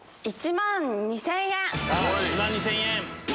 １万２０００円。